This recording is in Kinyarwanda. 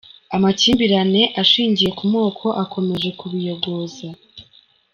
Amakimbirane ashingiye ku moko akomeje kubiyogoza